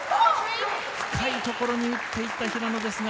深いところに打っていった平野ですが。